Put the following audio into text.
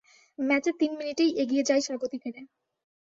ম্যাচের তিন মিনিটেই এগিয়ে যায় স্বাগতিকেরা।